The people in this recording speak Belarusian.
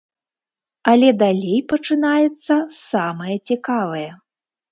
Але далей пачынаецца самае цікавае.